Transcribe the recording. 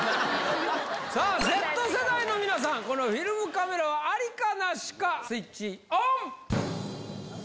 さあ、Ｚ世代の皆さん、このフィルムカメラは、ありかなしか、スイッチオン！